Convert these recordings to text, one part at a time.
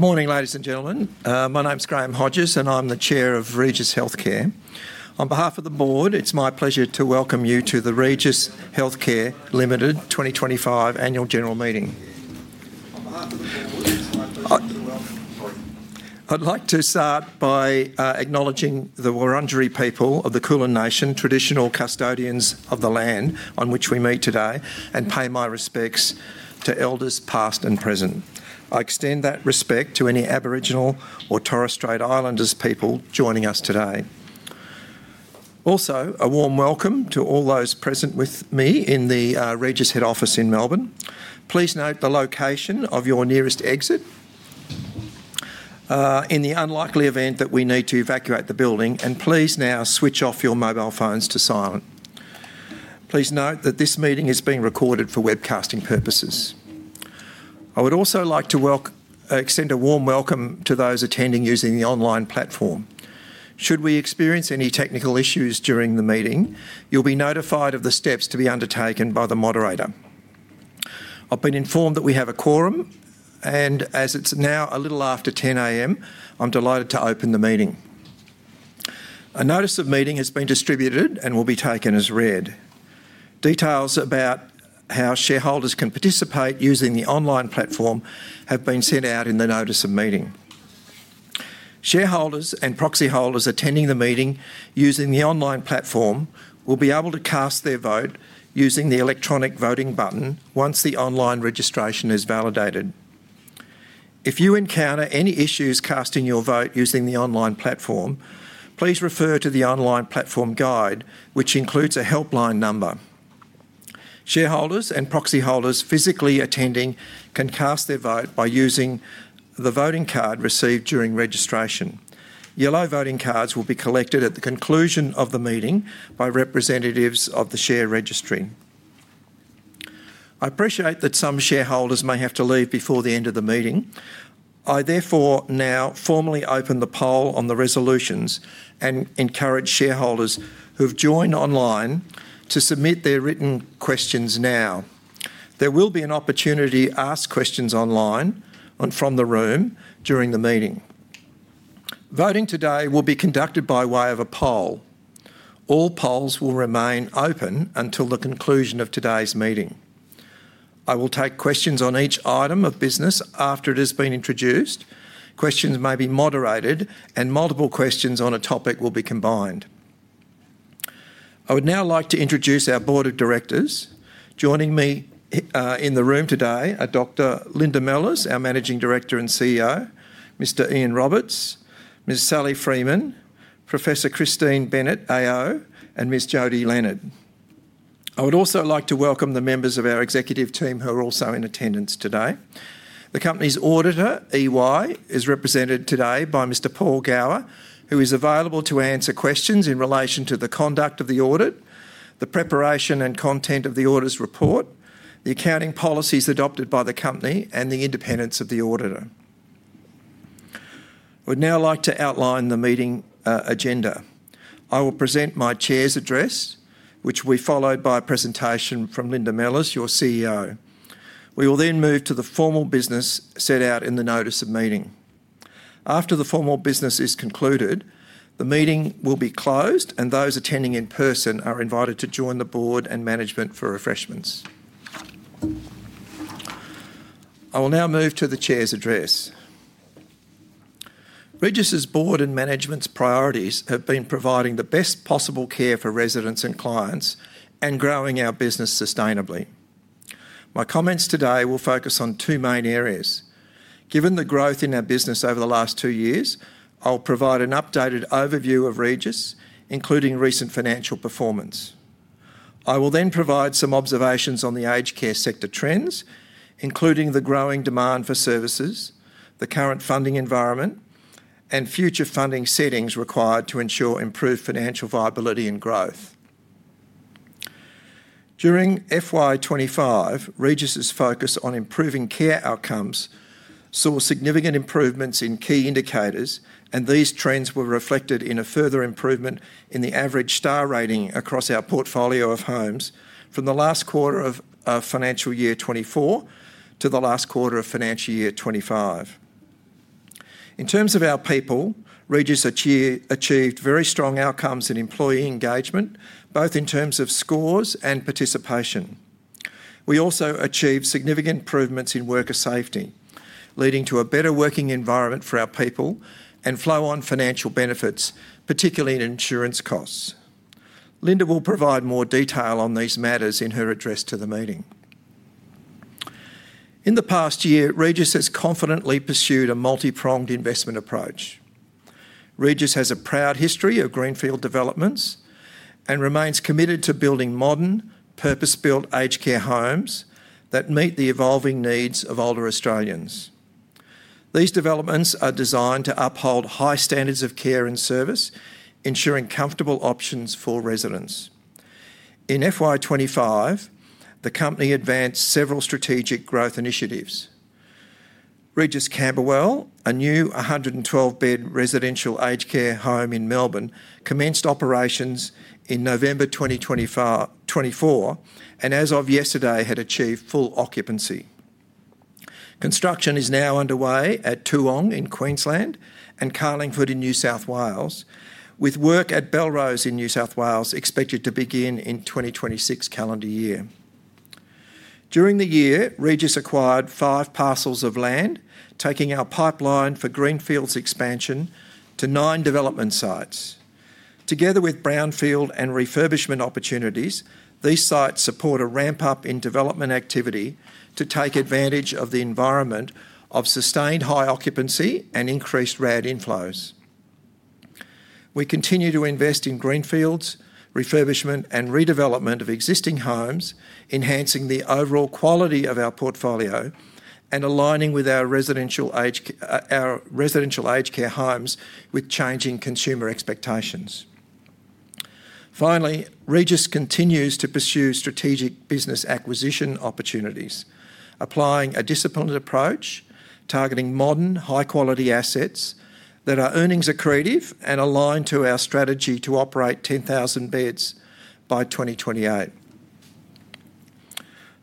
Good morning, ladies and gentlemen. My name's Graham Hodges, and I'm the Chair of Regis Healthcare. On behalf of the Board, it's my pleasure to welcome you to the Regis Healthcare Limited 2025 Annual General Meeting. I'd like to start by acknowledging the Wurundjeri people of the Kulin Nation, traditional custodians of the land on which we meet today, and pay my respects to elders past and present. I extend that respect to any Aboriginal or Torres Strait Islander people joining us today. Also, a warm welcome to all those present with me in the Regis Head Office in Melbourne. Please note the location of your nearest exit in the unlikely event that we need to evacuate the building, and please now switch off your mobile phones to silent. Please note that this meeting is being recorded for webcasting purposes. I would also like to extend a warm welcome to those attending using the online platform. Should we experience any technical issues during the meeting, you'll be notified of the steps to be undertaken by the moderator. I've been informed that we have a quorum, and as it's now a little after 10:00 A.M., I'm delighted to open the meeting. A notice of meeting has been distributed and will be taken as read. Details about how shareholders can participate using the online platform have been sent out in the notice of meeting. Shareholders and proxy holders attending the meeting using the online platform will be able to cast their vote using the electronic voting button once the online registration is validated. If you encounter any issues casting your vote using the online platform, please refer to the online platform guide, which includes a helpline number. Shareholders and proxy holders physically attending can cast their vote by using the voting card received during registration. Yellow voting cards will be collected at the conclusion of the meeting by representatives of the share registry. I appreciate that some shareholders may have to leave before the end of the meeting. I therefore now formally open the poll on the resolutions and encourage shareholders who've joined online to submit their written questions now. There will be an opportunity to ask questions online and from the room during the meeting. Voting today will be conducted by way of a poll. All polls will remain open until the conclusion of today's meeting. I will take questions on each item of business after it has been introduced. Questions may be moderated, and multiple questions on a topic will be combined. I would now like to introduce our Board of Directors. Joining me in the room today are Dr. Linda Mellors, our Managing Director and CEO, Mr. Ian Roberts, Ms. Sally Freeman, Professor Christine Bennett, AO, and Ms. Jody Leonard. I would also like to welcome the members of our executive team who are also in attendance today. The company's auditor, EY, is represented today by Mr. Paul Gower, who is available to answer questions in relation to the conduct of the audit, the preparation and content of the audit's report, the accounting policies adopted by the company, and the independence of the auditor. I would now like to outline the meeting agenda. I will present my chair's address, which will be followed by a presentation from Linda Mellors, your CEO. We will then move to the formal business set out in the notice of meeting. After the formal business is concluded, the meeting will be closed, and those attending in person are invited to join the Board and management for refreshments. I will now move to the Chair's address. Regis's Board and management's priorities have been providing the best possible care for residents and clients and growing our business sustainably. My comments today will focus on two main areas. Given the growth in our business over the last two years, I'll provide an updated overview of Regis, including recent financial performance. I will then provide some observations on the aged care sector trends, including the growing demand for services, the current funding environment, and future funding settings required to ensure improved financial viability and growth. During FY 2025, Regis's focus on improving care outcomes saw significant improvements in key indicators, and these trends were reflected in a further improvement in the average star rating across our portfolio of homes from the last quarter of financial year 2024 to the last quarter of financial year 2025. In terms of our people, Regis achieved very strong outcomes in employee engagement, both in terms of scores and participation. We also achieved significant improvements in worker safety, leading to a better working environment for our people and flow-on financial benefits, particularly in insurance costs. Linda will provide more detail on these matters in her address to the meeting. In the past year, Regis has confidently pursued a multi-pronged investment approach. Regis has a proud history of greenfield developments and remains committed to building modern, purpose-built aged care homes that meet the evolving needs of older Australians. These developments are designed to uphold high standards of care and service, ensuring comfortable options for residents. In FY 2025, the company advanced several strategic growth initiatives. Regis Camberwell, a new 112-bed residential aged care home in Melbourne, commenced operations in November 2024 and, as of yesterday, had achieved full occupancy. Construction is now underway at Toowong in Queensland and Carlingford in New South Wales, with work at Belrose in New South Wales expected to begin in the 2026 calendar year. During the year, Regis acquired five parcels of land, taking our pipeline for greenfield expansion to nine development sites. Together with brownfield and refurbishment opportunities, these sites support a ramp-up in development activity to take advantage of the environment of sustained high occupancy and increased RAD inflows. We continue to invest in greenfields, refurbishment, and redevelopment of existing homes, enhancing the overall quality of our portfolio and aligning our residential aged care homes with changing consumer expectations. Finally, Regis continues to pursue strategic business acquisition opportunities, applying a disciplined approach targeting modern, high-quality assets that are earnings-accretive and aligned to our strategy to operate 10,000 beds by 2028.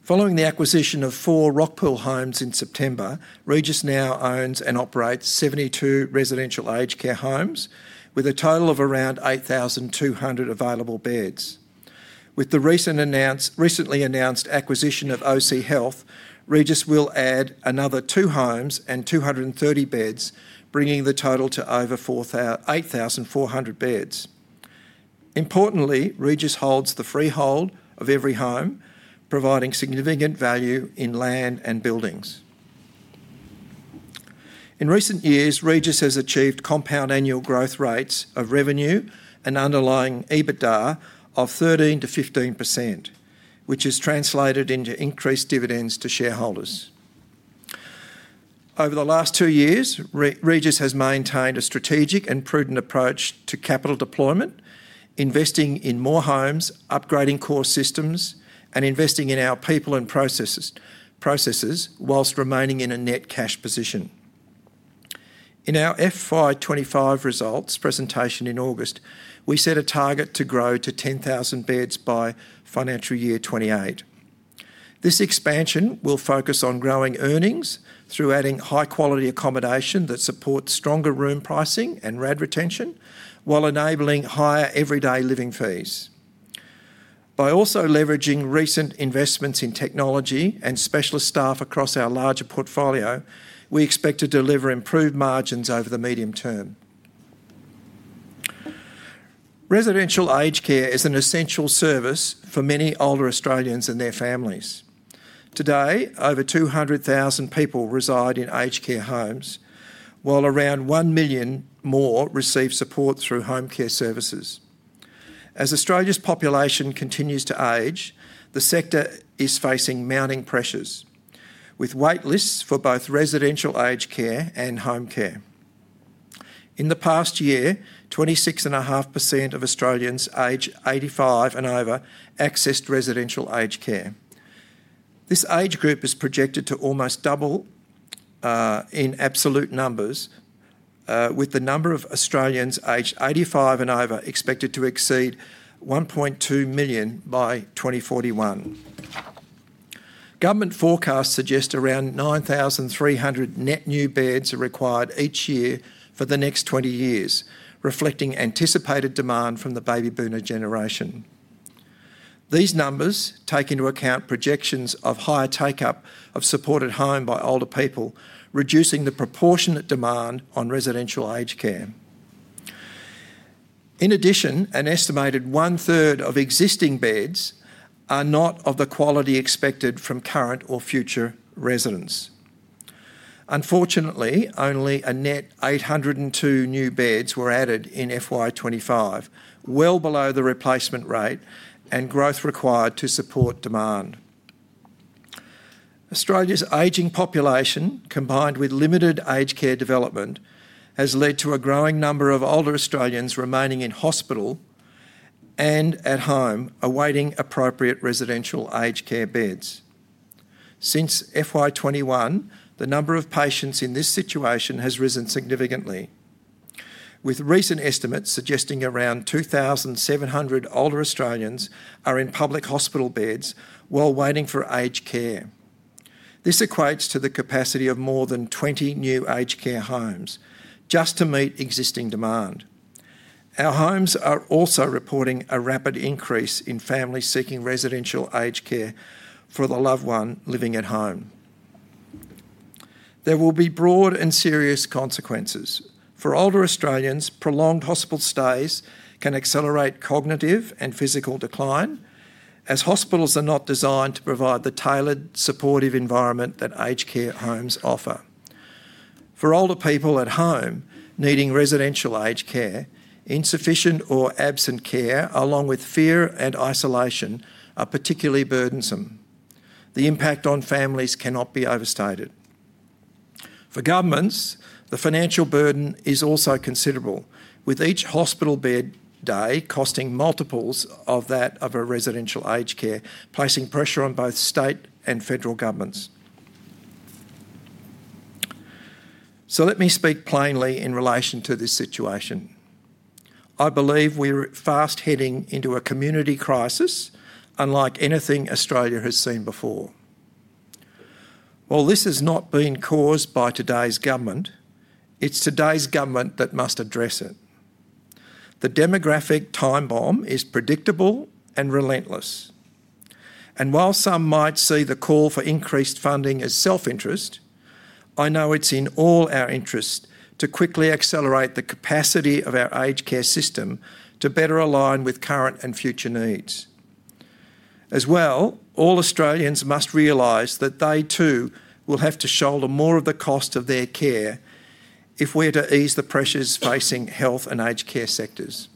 Following the acquisition of four Rockpool homes in September, Regis now owns and operates 72 residential aged care homes with a total of around 8,200 available beds. With the recently announced acquisition of OC Health, Regis will add another two homes and 230 beds, bringing the total to over 8,400 beds. Importantly, Regis holds the freehold of every home, providing significant value in land and buildings. In recent years, Regis has achieved compound annual growth rates of revenue and underlying EBITDA of 13%-15%, which has translated into increased dividends to shareholders. Over the last two years, Regis has maintained a strategic and prudent approach to capital deployment, investing in more homes, upgrading core systems, and investing in our people and processes whilst remaining in a net cash position. In our FY 2025 results presentation in August, we set a target to grow to 10,000 beds by financial year 2028. This expansion will focus on growing earnings through adding high-quality accommodation that supports stronger room pricing and RAD retention while enabling higher everyday living fees. By also leveraging recent investments in technology and specialist staff across our larger portfolio, we expect to deliver improved margins over the medium term. Residential aged care is an essential service for many older Australians and their families. Today, over 200,000 people reside in aged care homes, while around 1 million more receive support through home care services. As Australia's population continues to age, the sector is facing mounting pressures, with waitlists for both residential aged care and home care. In the past year, 26.5% of Australians aged 85 and over accessed residential aged care. This age group is projected to almost double in absolute numbers, with the number of Australians aged 85 and over expected to exceed 1.2 million by 2041. Government forecasts suggest around 9,300 net new beds are required each year for the next 20 years, reflecting anticipated demand from the baby boomer generation. These numbers take into account projections of higher take-up of supported home by older people, reducing the proportionate demand on residential aged care. In addition, an estimated one-third of existing beds are not of the quality expected from current or future residents. Unfortunately, only a net 802 new beds were added in FY 2025, well below the replacement rate and growth required to support demand. Australia's aging population, combined with limited aged care development, has led to a growing number of older Australians remaining in hospital and at home awaiting appropriate residential aged care beds. Since FY 2021, the number of patients in this situation has risen significantly, with recent estimates suggesting around 2,700 older Australians are in public hospital beds while waiting for aged care. This equates to the capacity of more than 20 new aged care homes just to meet existing demand. Our homes are also reporting a rapid increase in families seeking residential aged care for the loved one living at home. There will be broad and serious consequences. For older Australians, prolonged hospital stays can accelerate cognitive and physical decline, as hospitals are not designed to provide the tailored supportive environment that aged care homes offer. For older people at home needing residential aged care, insufficient or absent care, along with fear and isolation, are particularly burdensome. The impact on families cannot be overstated. For governments, the financial burden is also considerable, with each hospital bed day costing multiples of that of a residential aged care, placing pressure on both state and federal governments. Let me speak plainly in relation to this situation. I believe we are fast heading into a community crisis unlike anything Australia has seen before. While this has not been caused by today's government, it is today's government that must address it. The demographic time bomb is predictable and relentless. While some might see the call for increased funding as self-interest, I know it's in all our interest to quickly accelerate the capacity of our aged care system to better align with current and future needs. As well, all Australians must realize that they, too, will have to shoulder more of the cost of their care if we are to ease the pressures facing health and aged care sectors.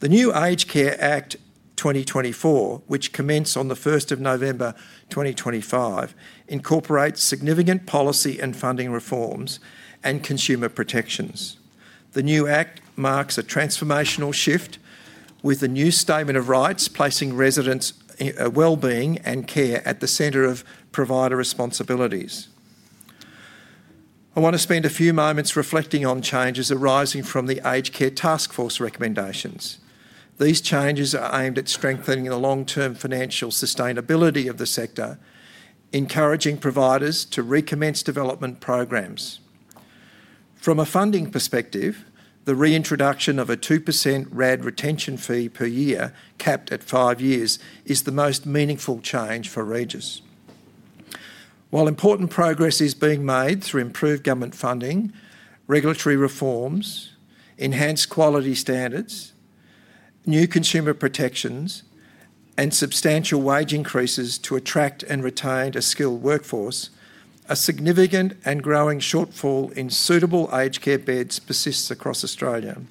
The new Aged Care Act 2024, which commenced on the 1st of November 2025, incorporates significant policy and funding reforms and consumer protections. The new act marks a transformational shift, with the new statement of rights placing residents' well-being and care at the center of provider responsibilities. I want to spend a few moments reflecting on changes arising from the Aged Care Task Force recommendations. These changes are aimed at strengthening the long-term financial sustainability of the sector, encouraging providers to recommence development programs. From a funding perspective, the reintroduction of a 2% RAD retention fee per year, capped at five years, is the most meaningful change for Regis. While important progress is being made through improved government funding, regulatory reforms, enhanced quality standards, new consumer protections, and substantial wage increases to attract and retain a skilled workforce, a significant and growing shortfall in suitable aged care beds persists across Australia.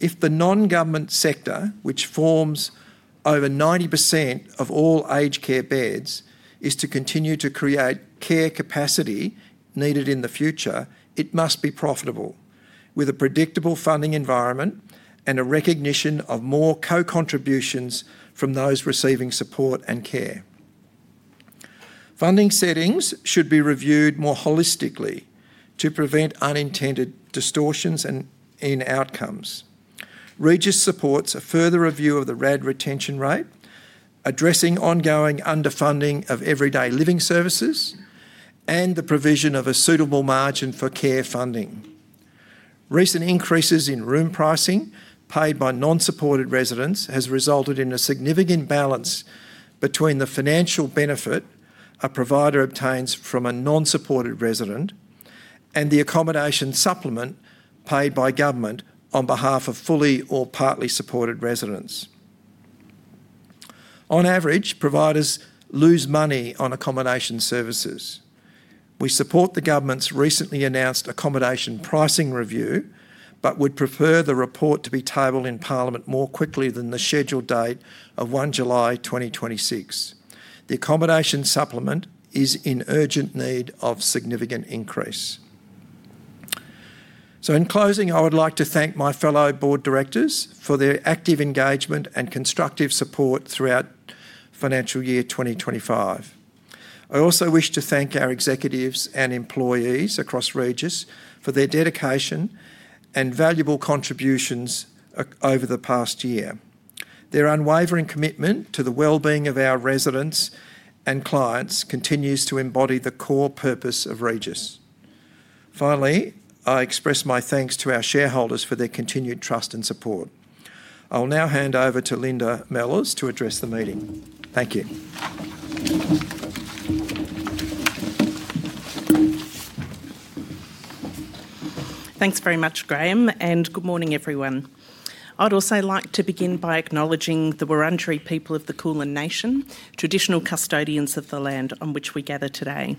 If the non-government sector, which forms over 90% of all aged care beds, is to continue to create care capacity needed in the future, it must be profitable, with a predictable funding environment and a recognition of more co-contributions from those receiving support and care. Funding settings should be reviewed more holistically to prevent unintended distortions in outcomes. Regis supports a further review of the RAD retention rate, addressing ongoing underfunding of everyday living services, and the provision of a suitable margin for care funding. Recent increases in room pricing paid by non-supported residents have resulted in a significant balance between the financial benefit a provider obtains from a non-supported resident and the accommodation supplement paid by government on behalf of fully or partly supported residents. On average, providers lose money on accommodation services. We support the government's recently announced accommodation pricing review, but would prefer the report to be tabled in Parliament more quickly than the scheduled date of 1 July 2026. The accommodation supplement is in urgent need of significant increase. In closing, I would like to thank my fellow board directors for their active engagement and constructive support throughout financial year 2025. I also wish to thank our executives and employees across Regis for their dedication and valuable contributions over the past year. Their unwavering commitment to the well-being of our residents and clients continues to embody the core purpose of Regis. Finally, I express my thanks to our shareholders for their continued trust and support. I will now hand over to Linda Mellors to address the meeting. Thank you. Thanks very much, Graham, and good morning, everyone. I'd also like to begin by acknowledging the Wurundjeri people of the Kulin Nation, traditional custodians of the land on which we gather today.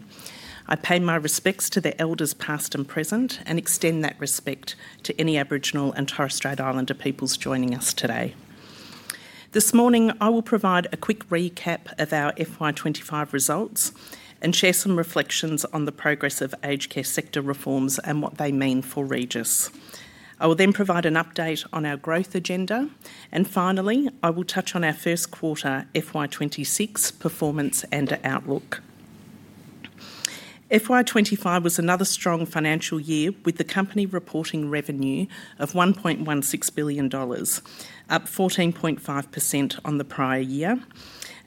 I pay my respects to their elders, past and present, and extend that respect to any Aboriginal and Torres Strait Islander peoples joining us today. This morning, I will provide a quick recap of our FY 2025 results and share some reflections on the progress of aged care sector reforms and what they mean for Regis. I will then provide an update on our growth agenda. Finally, I will touch on our first quarter FY 2026 performance and outlook. FY 2025 was another strong financial year, with the company reporting revenue of 1.16 billion dollars, up 14.5% on the prior year,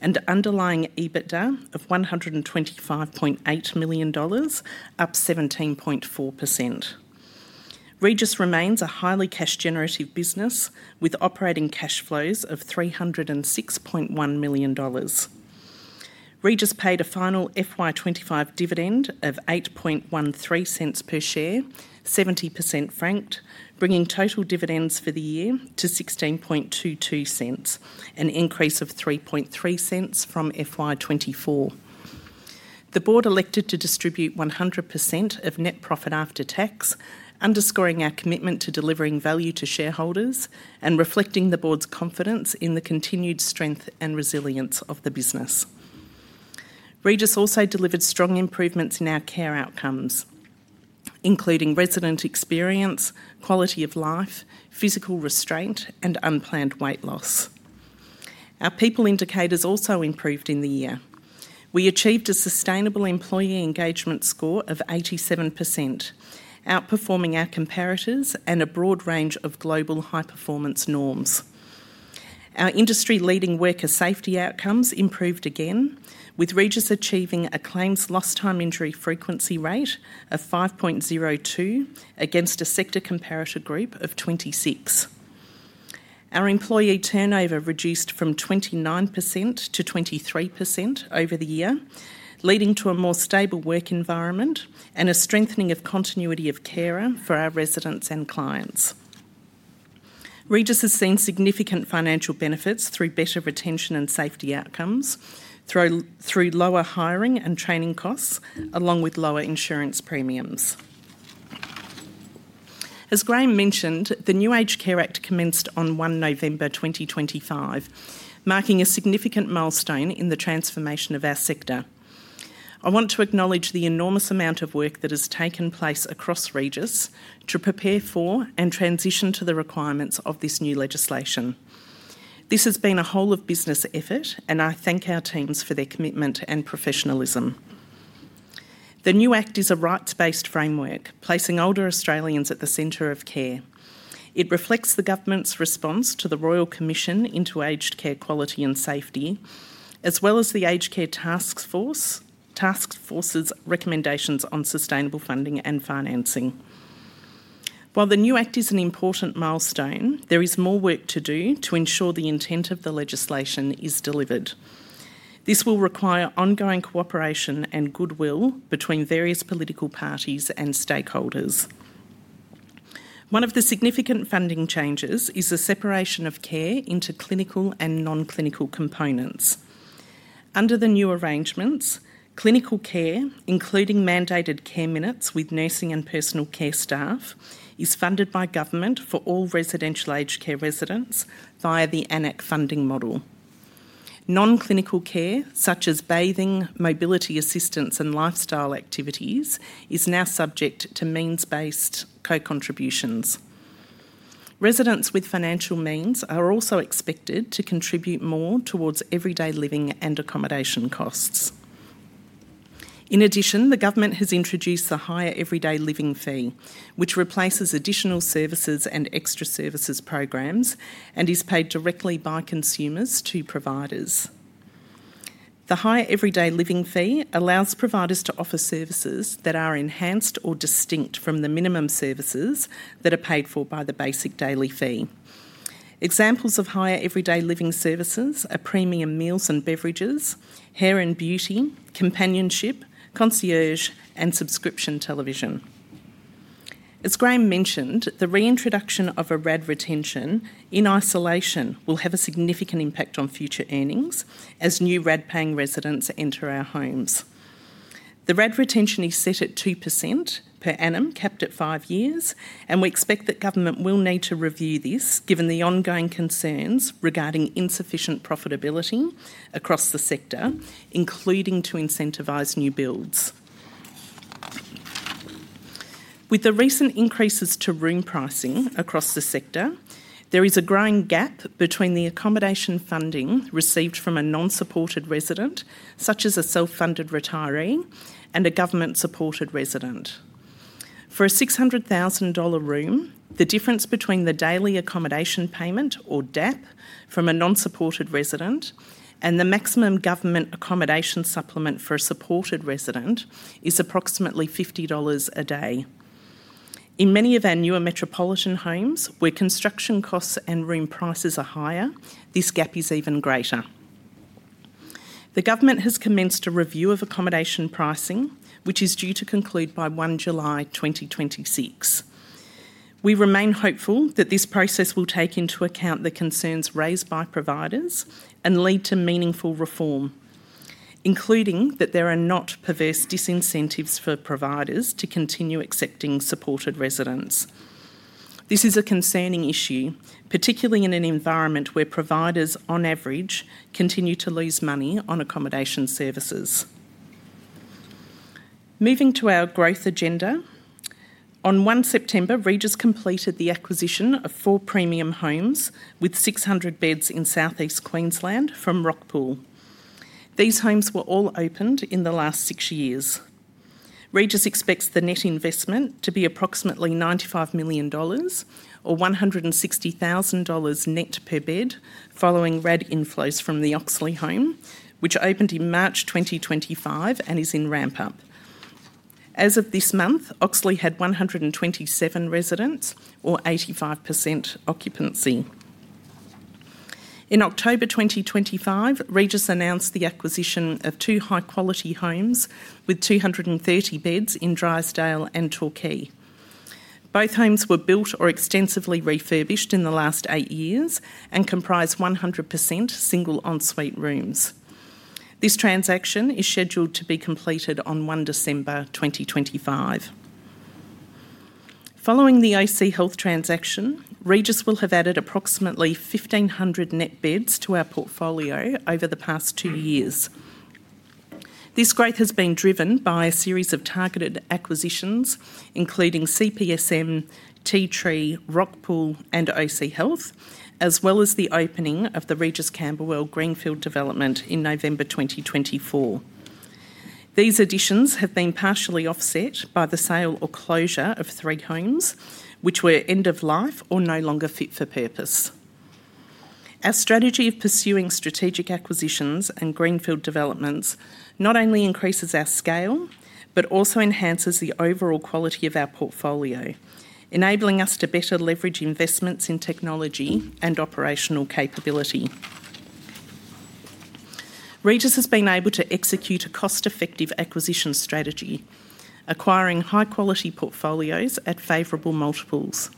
and an underlying EBITDA of 125.8 million dollars, up 17.4%. Regis remains a highly cash-generative business, with operating cash flows of 306.1 million dollars. Regis paid a final FY 2025 dividend of 0.0813 per share, 70% franked, bringing total dividends for the year to 0.1622, an increase of 0.033 from FY 2024. The board elected to distribute 100% of net profit after tax, underscoring our commitment to delivering value to shareholders and reflecting the board's confidence in the continued strength and resilience of the business. Regis also delivered strong improvements in our care outcomes, including resident experience, quality of life, physical restraint, and unplanned weight loss. Our people indicators also improved in the year. We achieved a sustainable employee engagement score of 87%, outperforming our comparators and a broad range of global high-performance norms. Our industry-leading worker safety outcomes improved again, with Regis achieving a claims lost-time injury frequency rate of 5.02 against a sector comparator group of 26. Our employee turnover reduced from 29% to 23% over the year, leading to a more stable work environment and a strengthening of continuity of care for our residents and clients. Regis has seen significant financial benefits through better retention and safety outcomes, through lower hiring and training costs, along with lower insurance premiums. As Graham mentioned, the new Aged Care Act commenced on 1 November 2025, marking a significant milestone in the transformation of our sector. I want to acknowledge the enormous amount of work that has taken place across Regis to prepare for and transition to the requirements of this new legislation. This has been a whole-of-business effort, and I thank our teams for their commitment and professionalism. The new act is a rights-based framework, placing older Australians at the center of care. It reflects the government's response to the Royal Commission into Aged Care Quality and Safety, as well as the Aged Care Task Force's recommendations on sustainable funding and financing. While the new act is an important milestone, there is more work to do to ensure the intent of the legislation is delivered. This will require ongoing cooperation and goodwill between various political parties and stakeholders. One of the significant funding changes is the separation of care into clinical and non-clinical components. Under the new arrangements, clinical care, including mandated care minutes with nursing and personal care staff, is funded by government for all residential aged care residents via the AN-ACC funding model. Non-clinical care, such as bathing, mobility assistance, and lifestyle activities, is now subject to means-based co-contributions. Residents with financial means are also expected to contribute more towards everyday living and accommodation costs. In addition, the government has introduced a higher everyday living fee, which replaces additional services and extra services programs and is paid directly by consumers to providers. The higher everyday living fee allows providers to offer services that are enhanced or distinct from the minimum services that are paid for by the basic daily fee. Examples of higher everyday living services are premium meals and beverages, hair and beauty, companionship, concierge, and subscription television. As Graham mentioned, the reintroduction of a RAD retention in isolation will have a significant impact on future earnings as new RAD-paying residents enter our homes. The RAD retention is set at 2% per annum, capped at five years, and we expect that government will need to review this given the ongoing concerns regarding insufficient profitability across the sector, including to incentivize new builds. With the recent increases to room pricing across the sector, there is a growing gap between the accommodation funding received from a non-supported resident, such as a self-funded retiree, and a government-supported resident. For a 600,000 dollar room, the difference between the daily accommodation payment, or DAP, from a non-supported resident and the maximum government accommodation supplement for a supported resident is approximately 50 dollars a day. In many of our newer metropolitan homes, where construction costs and room prices are higher, this gap is even greater. The government has commenced a review of accommodation pricing, which is due to conclude by July 1, 2026. We remain hopeful that this process will take into account the concerns raised by providers and lead to meaningful reform, including that there are not perverse disincentives for providers to continue accepting supported residents. This is a concerning issue, particularly in an environment where providers, on average, continue to lose money on accommodation services. Moving to our growth agenda, on 1 September, Regis completed the acquisition of four premium homes with 600 beds in southeast Queensland from Rockpool. These homes were all opened in the last six years. Regis expects the net investment to be approximately 95 million dollars, or 160,000 dollars net per bed, following RAD inflows from the Oxley home, which opened in March 2025 and is in ramp-up. As of this month, Oxley had 127 residents, or 85% occupancy. In October 2025, Regis announced the acquisition of two high-quality homes with 230 beds in Drysdale and Torquay. Both homes were built or extensively refurbished in the last eight years and comprise 100% single-ensuite rooms. This transaction is scheduled to be completed on 1 December 2025. Following the OC Health transaction, Regis will have added approximately 1,500 net beds to our portfolio over the past two years. This growth has been driven by a series of targeted acquisitions, including CPSM, Tea Tree, Rockpool, and OC Health, as well as the opening of the Regis Camberwell greenfield development in November 2024. These additions have been partially offset by the sale or closure of three homes, which were end-of-life or no longer fit for purpose. Our strategy of pursuing strategic acquisitions and greenfield developments not only increases our scale, but also enhances the overall quality of our portfolio, enabling us to better leverage investments in technology and operational capability. Regis has been able to execute a cost-effective acquisition strategy, acquiring high-quality portfolios at favorable multiples.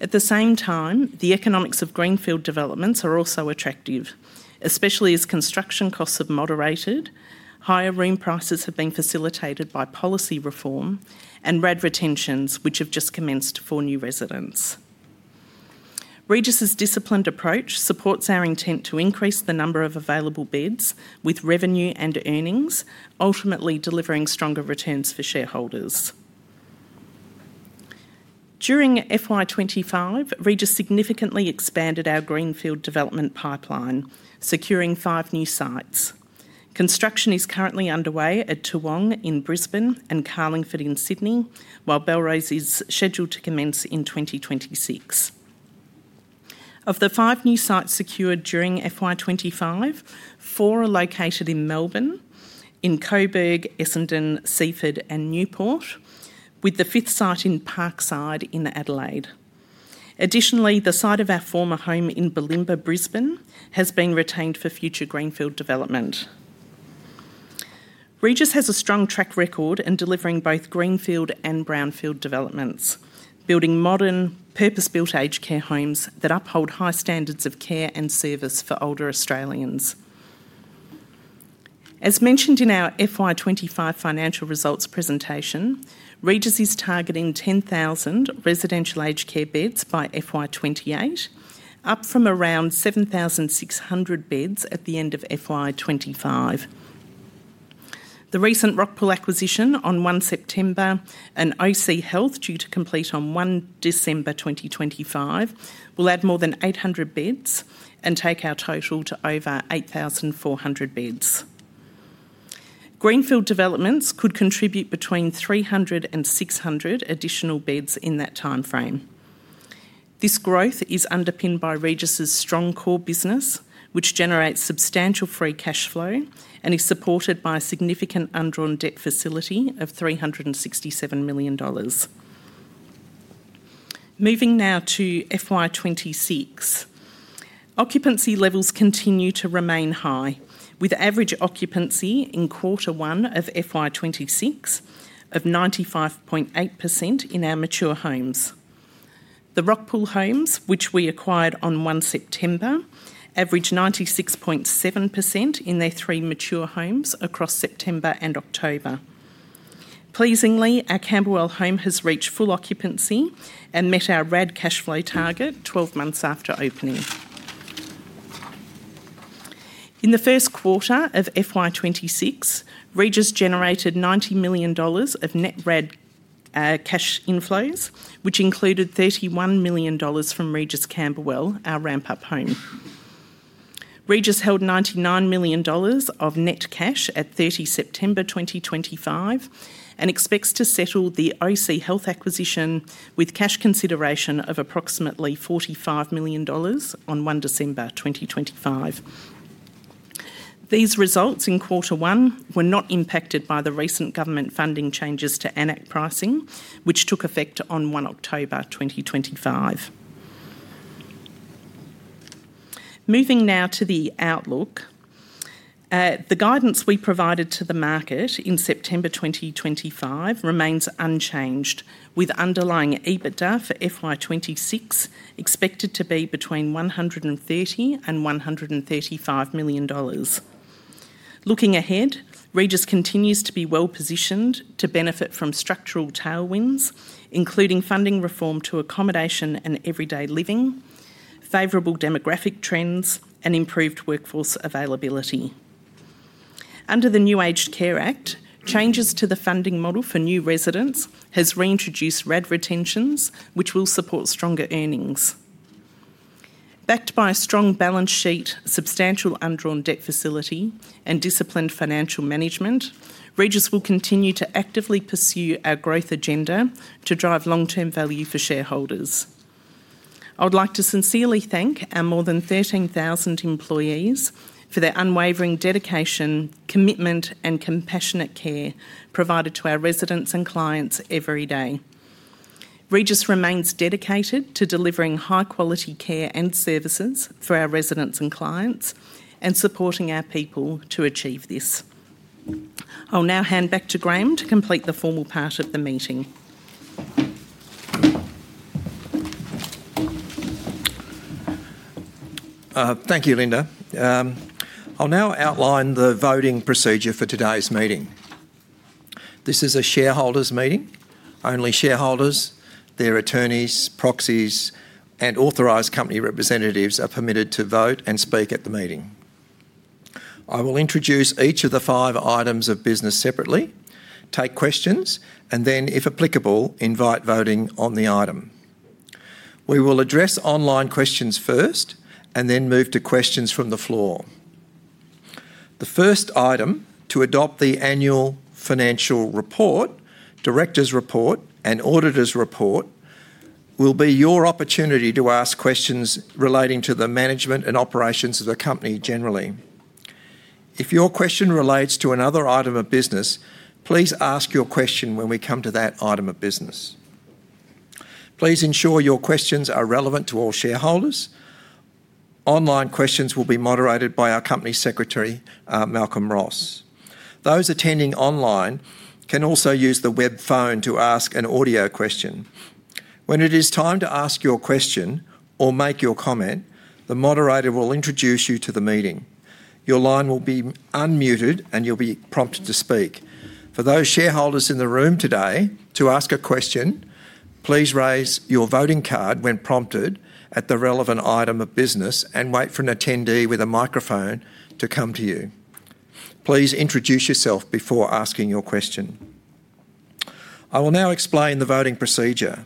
At the same time, the economics of greenfield developments are also attractive, especially as construction costs have moderated, higher room prices have been facilitated by policy reform, and RAD retentions, which have just commenced for new residents. Regis's disciplined approach supports our intent to increase the number of available beds with revenue and earnings, ultimately delivering stronger returns for shareholders. During FY 2025, Regis significantly expanded our greenfield development pipeline, securing five new sites. Construction is currently underway at Toowong in Brisbane and Carlingford in Sydney, while Belrose is scheduled to commence in 2026. Of the five new sites secured during FY 2025, four are located in Melbourne, in Coburg, Essendon, Seaford, and Newport, with the fifth site in Parkside in Adelaide. Additionally, the site of our former home in Bulimba, Brisbane, has been retained for future greenfield development. Regis has a strong track record in delivering both greenfield and brownfield developments, building modern, purpose-built aged care homes that uphold high standards of care and service for older Australians. As mentioned in our FY 2025 financial results presentation, Regis is targeting 10,000 residential aged care beds by FY 2028, up from around 7,600 beds at the end of FY 2025. The recent Rockpool acquisition on 1 September and OC Health due to complete on 1 December 2025 will add more than 800 beds and take our total to over 8,400 beds. Greenfield developments could contribute between 300 and 600 additional beds in that timeframe. This growth is underpinned by Regis' strong core business, which generates substantial free cash flow and is supported by a significant undrawn debt facility of AUD 367 million. Moving now to FY 2026, occupancy levels continue to remain high, with average occupancy in Quarter 1 of FY 26 of 95.8% in our mature homes. The Rockpool homes, which we acquired on 1 September, averaged 96.7% in their three mature homes across September and October. Pleasingly, our Camberwell home has reached full occupancy and met our RAD cash flow target 12 months after opening. In the first quarter of FY 2026, Regis generated 90 million dollars of net RAD cash inflows, which included 31 million dollars from Regis Camberwell, our ramp-up home. Regis held 99 million dollars of net cash at 30 September 2025 and expects to settle the OC Health acquisition with cash consideration of approximately 45 million dollars on 1 December 2025. These results in Quarter 1 were not impacted by the recent government funding changes to AN-ACC pricing, which took effect on 1 October 2025. Moving now to the outlook, the guidance we provided to the market in September 2025 remains unchanged, with underlying EBITDA for FY 2026 expected to be between 130 million and 135 million dollars. Looking ahead, Regis continues to be well-positioned to benefit from structural tailwinds, including funding reform to accommodation and everyday living, favorable demographic trends, and improved workforce availability. Under the new Aged Care Act, changes to the funding model for new residents have reintroduced RAD retentions, which will support stronger earnings. Backed by a strong balance sheet, substantial undrawn debt facility, and disciplined financial management, Regis will continue to actively pursue our growth agenda to drive long-term value for shareholders. I would like to sincerely thank our more than 13,000 employees for their unwavering dedication, commitment, and compassionate care provided to our residents and clients every day. Regis remains dedicated to delivering high-quality care and services for our residents and clients and supporting our people to achieve this. I'll now hand back to Graham to complete the formal part of the meeting. Thank you, Linda. I'll now outline the voting procedure for today's meeting. This is a shareholders' meeting. Only shareholders, their attorneys, proxies, and authorized company representatives are permitted to vote and speak at the meeting. I will introduce each of the five items of business separately, take questions, and then, if applicable, invite voting on the item. We will address online questions first and then move to questions from the floor. The first item to adopt the annual financial report, director's report, and auditor's report will be your opportunity to ask questions relating to the management and operations of the company generally. If your question relates to another item of business, please ask your question when we come to that item of business. Please ensure your questions are relevant to all shareholders. Online questions will be moderated by our Company Secretary, Malcolm Ross. Those attending online can also use the web phone to ask an audio question. When it is time to ask your question or make your comment, the moderator will introduce you to the meeting. Your line will be unmuted and you'll be prompted to speak. For those shareholders in the room today, to ask a question, please raise your voting card when prompted at the relevant item of business and wait for an attendee with a microphone to come to you. Please introduce yourself before asking your question. I will now explain the voting procedure.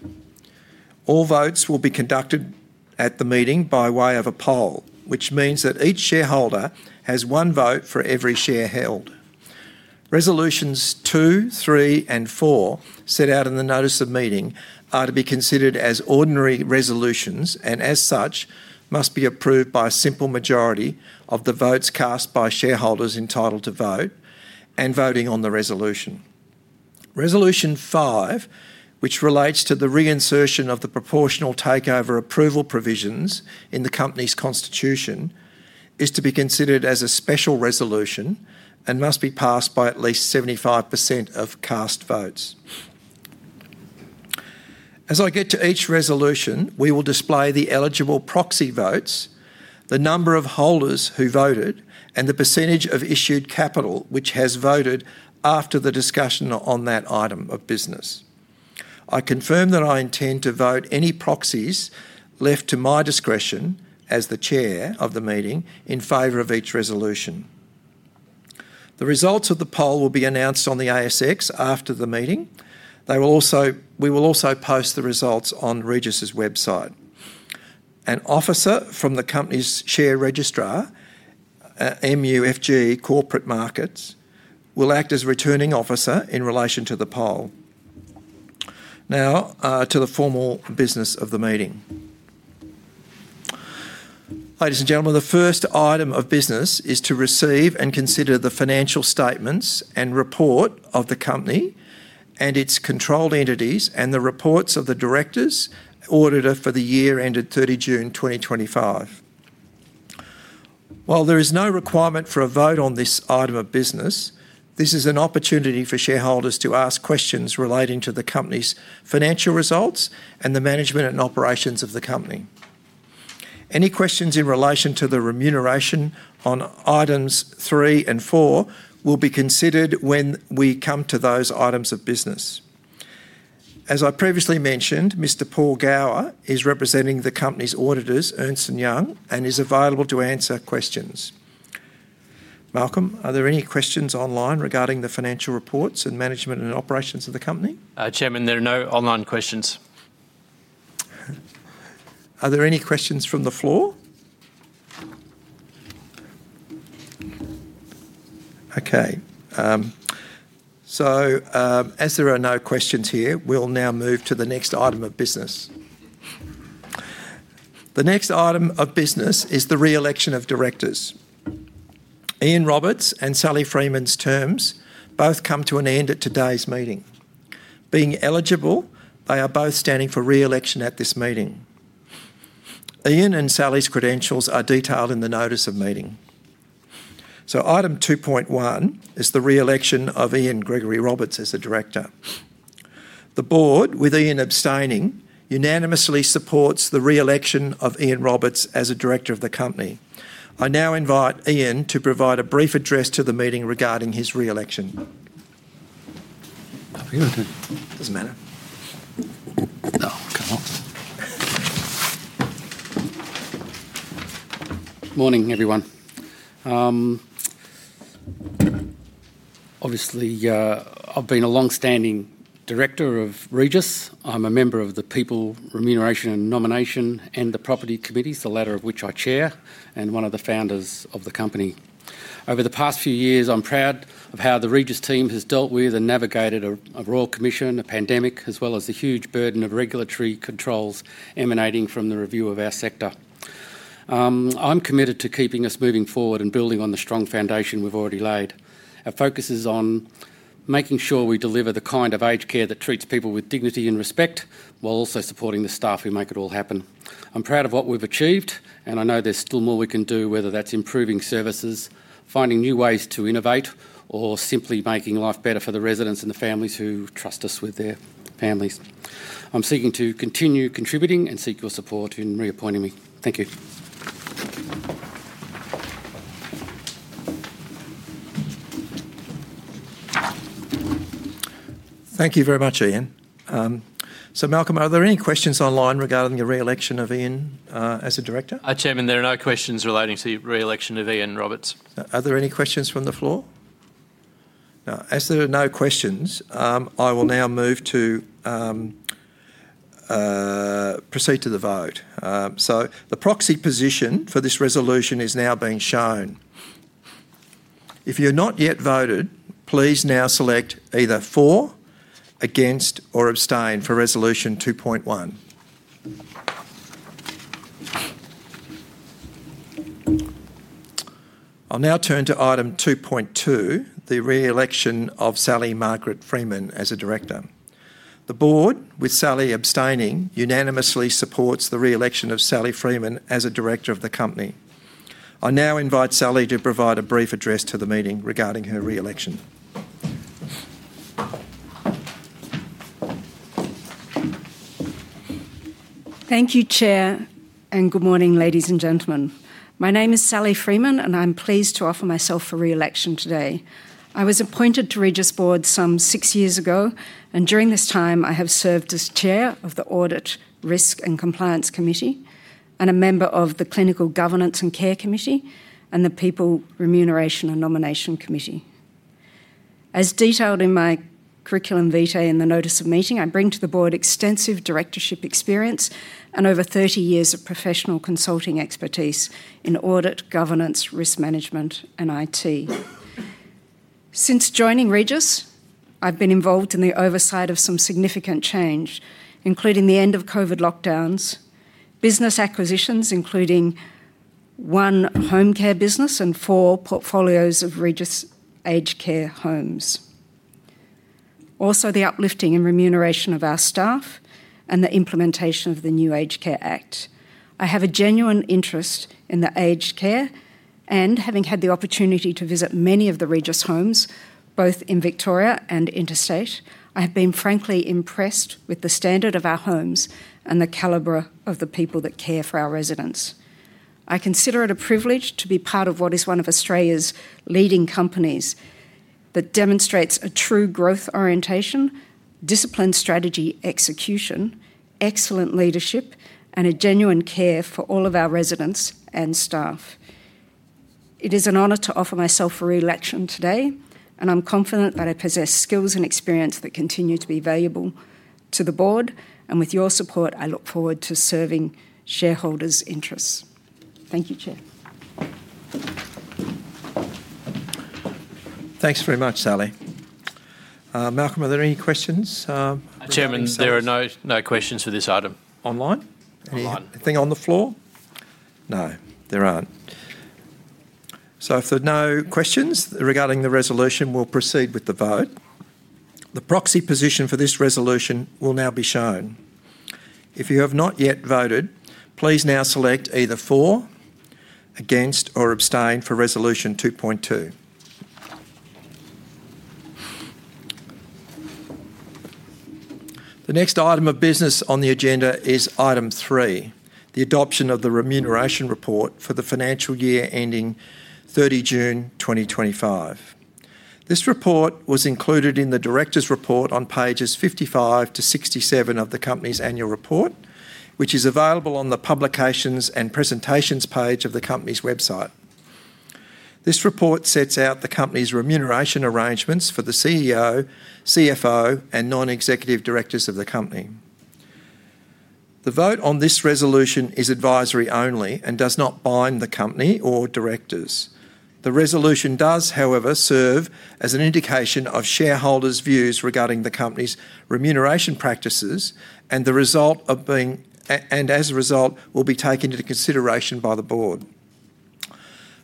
All votes will be conducted at the meeting by way of a poll, which means that each shareholder has one vote for every share held. Resolutions two, three, and four set out in the notice of meeting are to be considered as ordinary resolutions and, as such, must be approved by a simple majority of the votes cast by shareholders entitled to vote and voting on the resolution. Resolution five, which relates to the reinsertion of the proportional takeover approval provisions in the company's constitution, is to be considered as a special resolution and must be passed by at least 75% of cast votes. As I get to each resolution, we will display the eligible proxy votes, the number of holders who voted, and the percentage of issued capital which has voted after the discussion on that item of business. I confirm that I intend to vote any proxies left to my discretion as the Chair of the meeting in favor of each resolution. The results of the poll will be announced on the ASX after the meeting. We will also post the results on Regis' website. An officer from the company's share registrar, MUFG Corporate Markets, will act as returning officer in relation to the poll. Now to the formal business of the meeting. Ladies and gentlemen, the first item of business is to receive and consider the financial statements and report of the company and its controlled entities and the reports of the directors, auditor for the year ended 30 June 2025. While there is no requirement for a vote on this item of business, this is an opportunity for shareholders to ask questions relating to the company's financial results and the management and operations of the company. Any questions in relation to the remuneration on items three and four will be considered when we come to those items of business. As I previously mentioned, Mr. Paul Gower is representing the company's auditors, Ernst & Young, and is available to answer questions. Malcolm, are there any questions online regarding the financial reports and management and operations of the company? Chairman, there are no online questions. Are there any questions from the floor? Okay. As there are no questions here, we'll now move to the next item of business. The next item of business is the re-election of directors. Ian Roberts and Sally Freeman's terms both come to an end at today's meeting. Being eligible, they are both standing for re-election at this meeting. Ian and Sally's credentials are detailed in the notice of meeting. Item 2.1 is the re-election of Ian Gregory Roberts as a director. The board, with Ian abstaining, unanimously supports the re-election of Ian Roberts as a director of the company. I now invite Ian to provide a brief address to the meeting regarding his re-election. Doesn't matter. Morning, everyone. Obviously, I've been a long-standing director of Regis. I'm a member of the People, Remuneration, and Nomination and the Property Committees, the latter of which I chair, and one of the founders of the company. Over the past few years, I'm proud of how the Regis team has dealt with and navigated a royal commission, a pandemic, as well as the huge burden of regulatory controls emanating from the review of our sector. I'm committed to keeping us moving forward and building on the strong foundation we've already laid. Our focus is on making sure we deliver the kind of aged care that treats people with dignity and respect while also supporting the staff who make it all happen. I'm proud of what we've achieved, and I know there's still more we can do, whether that's improving services, finding new ways to innovate, or simply making life better for the residents and the families who trust us with their families. I'm seeking to continue contributing and seek your support in reappointing me. Thank you. Thank you very much, Ian. Malcolm, are there any questions online regarding the re-election of Ian as a director? Chairman, there are no questions relating to the re-election of Ian Roberts. Are there any questions from the floor? As there are no questions, I will now proceed to the vote. The proxy position for this resolution is now being shown. If you have not yet voted, please now select either for, against, or abstain for resolution 2.1. I will now turn to item 2.2, the re-election of Sally Margaret Freeman as a director. The Board, with Sally abstaining, unanimously supports the re-election of Sally Freeman as a director of the company. I now invite Sally to provide a brief address to the meeting regarding her re-election. Thank you, Chair, and good morning, ladies and gentlemen. My name is Sally Freeman, and I am pleased to offer myself for re-election today. I was appointed to the Regis Board some six years ago, and during this time, I have served as Chair of the Audit Risk and Compliance Committee and a member of the Clinical Governance and Care Committee and the People, Remuneration, and Nomination Committee. As detailed in my curriculum vitae and the notice of meeting, I bring to the board extensive directorship experience and over 30 years of professional consulting expertise in audit, governance, risk management, and IT. Since joining Regis, I've been involved in the oversight of some significant change, including the end of COVID lockdowns, business acquisitions, including one home care business and four portfolios of Regis aged care homes. Also, the uplifting and remuneration of our staff and the implementation of the new Aged Care Act. I have a genuine interest in the aged care and, having had the opportunity to visit many of the Regis homes, both in Victoria and interstate, I have been frankly impressed with the standard of our homes and the calibre of the people that care for our residents. I consider it a privilege to be part of what is one of Australia's leading companies that demonstrates a true growth orientation, disciplined strategy execution, excellent leadership, and a genuine care for all of our residents and staff. It is an honor to offer myself for re-election today, and I'm confident that I possess skills and experience that continue to be valuable to the board. With your support, I look forward to serving shareholders' interests. Thank you, Chair. Thanks very much, Sally. Malcolm, are there any questions? Chairman, there are no questions for this item. Online? None. Anything on the floor? No, there aren't. If there are no questions regarding the resolution, we'll proceed with the vote. The proxy position for this resolution will now be shown. If you have not yet voted, please now select either for, against, or abstain for resolution 2.2. The next item of business on the agenda is item three, the adoption of the remuneration report for the financial year ending 30 June 2025. This report was included in the director's report on pages 55 to 67 of the company's annual report, which is available on the publications and presentations page of the company's website. This report sets out the company's remuneration arrangements for the CEO, CFO, and non-executive directors of the company. The vote on this resolution is advisory only and does not bind the company or directors. The resolution does, however, serve as an indication of shareholders' views regarding the company's remuneration practices and as a result will be taken into consideration by the board.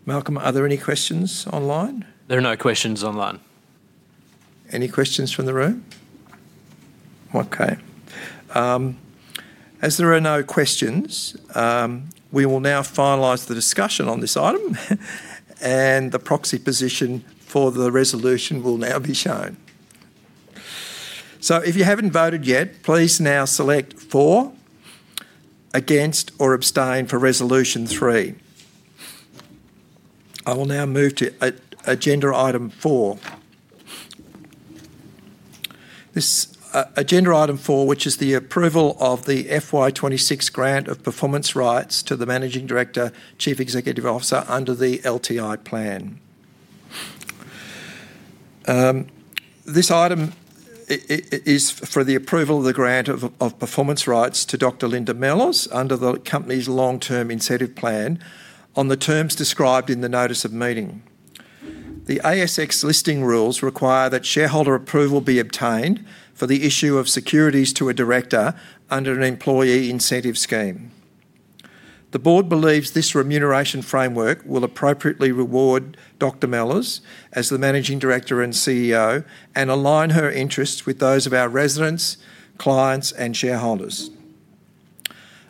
Malcolm, are there any questions online? There are no questions online. Any questions from the room? Okay. As there are no questions, we will now finalize the discussion on this item, and the proxy position for the resolution will now be shown. If you haven't voted yet, please now select for, against, or abstain for resolution three. I will now move to agenda item four. Agenda item four, which is the approval of the FY 2026 grant of performance rights to the Managing Director, Chief Executive Officer under the LTI plan. This item is for the approval of the grant of performance rights to Dr. Linda Mellors under the company's long-term incentive plan on the terms described in the notice of meeting. The ASX listing rules require that shareholder approval be obtained for the issue of securities to a director under an employee incentive scheme. The board believes this remuneration framework will appropriately reward Dr. Mellors as the Managing Director and CEO and align her interests with those of our residents, clients, and shareholders.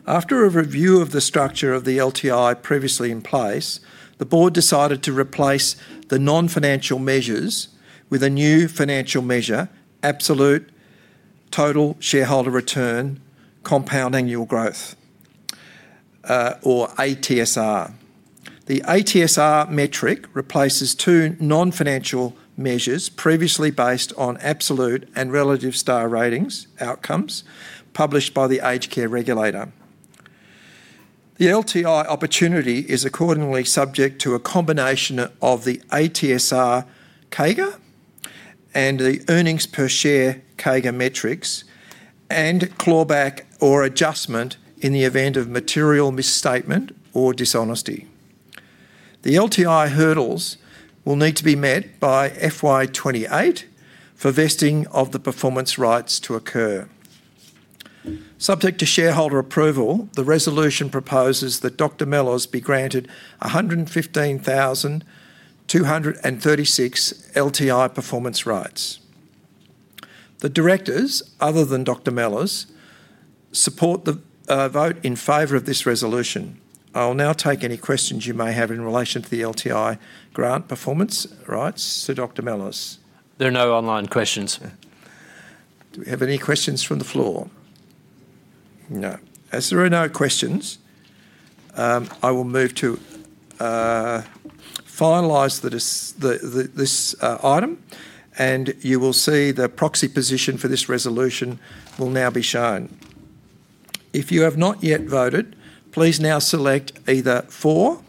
After a review of the structure of the LTI previously in place, the board decided to replace the non-financial measures with a new financial measure, absolute total shareholder return compound annual growth, or ATSR. The ATSR metric replaces two non-financial measures previously based on absolute and relative star ratings outcomes published by the aged care regulator. The LTI opportunity is accordingly subject to a combination of the ATSR CAGR and the earnings per share CAGR metrics and clawback or adjustment in the event of material misstatement or dishonesty. The LTI hurdles will need to be met by FY 2028 for vesting of the performance rights to occur. Subject to shareholder approval, the resolution proposes that Dr. Mellors be granted 115,236 LTI performance rights. The directors, other than Dr. Mellors, support the vote in favor of this resolution. I will now take any questions you may have in relation to the LTI grant performance rights to Dr. Mellors. There are no online questions. Do we have any questions from the floor? No. As there are no questions, I will move to finalize this item, and you will see the proxy position for this resolution will now be shown. If you have not yet voted, please now select either for,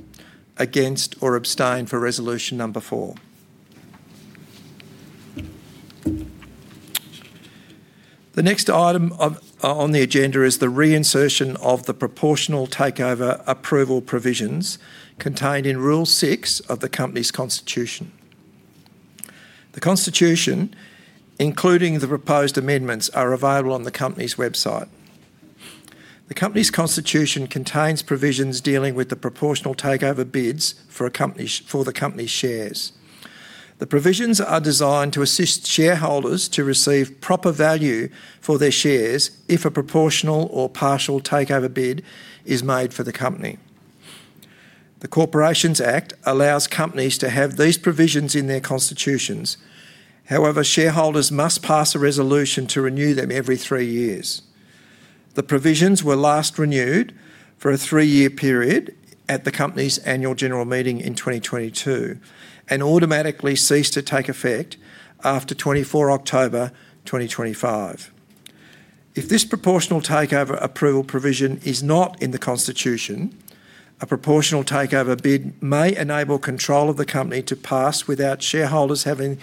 against, or abstain for resolution number four. The next item on the agenda is the reinsertion of the proportional takeover approval provisions contained in Rule Six of the company's constitution. The constitution, including the proposed amendments, are available on the company's website. The company's constitution contains provisions dealing with the proportional takeover bids for the company's shares. The provisions are designed to assist shareholders to receive proper value for their shares if a proportional or partial takeover bid is made for the company. The Corporations Act allows companies to have these provisions in their constitutions. However, shareholders must pass a resolution to renew them every three years. The provisions were last renewed for a three-year period at the company's annual general meeting in 2022 and automatically ceased to take effect after 24 October 2025. If this proportional takeover approval provision is not in the constitution, a proportional takeover bid may enable control of the company to pass without shareholders having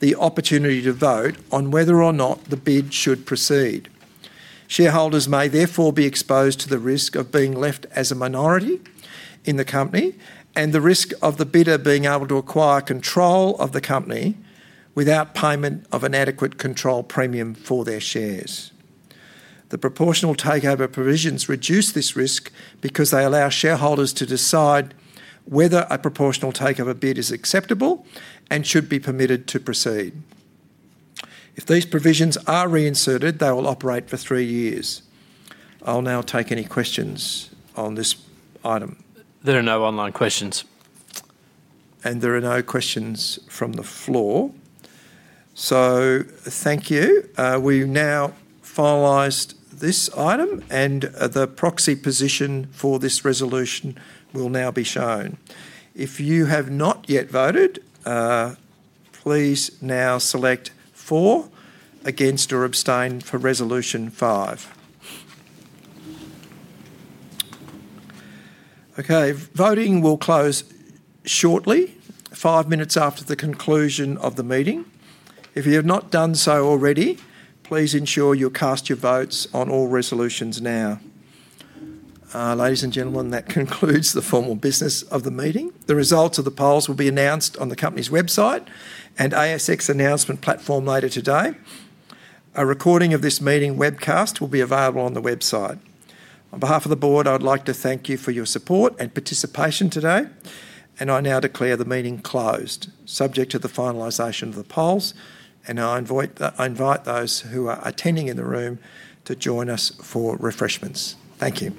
the opportunity to vote on whether or not the bid should proceed. Shareholders may therefore be exposed to the risk of being left as a minority in the company and the risk of the bidder being able to acquire control of the company without payment of an adequate control premium for their shares. The proportional takeover provisions reduce this risk because they allow shareholders to decide whether a proportional takeover bid is acceptable and should be permitted to proceed. If these provisions are reinserted, they will operate for three years. I'll now take any questions on this item. There are no online questions. There are no questions from the floor. Thank you. We now finalize this item, and the proxy position for this resolution will now be shown. If you have not yet voted, please now select for, against, or abstain for resolution five. Okay. Voting will close shortly, five minutes after the conclusion of the meeting. If you have not done so already, please ensure you cast your votes on all resolutions now. Ladies and gentlemen, that concludes the formal business of the meeting. The results of the polls will be announced on the company's website and ASX announcement platform later today. A recording of this meeting webcast will be available on the website. On behalf of the board, I'd like to thank you for your support and participation today, and I now declare the meeting closed, subject to the finalization of the polls, and I invite those who are attending in the room to join us for refreshments. Thank you.